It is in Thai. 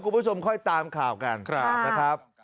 คุณผู้ชมค่อยตามข่าวกันนะครับ